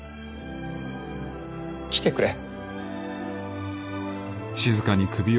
来てくれ。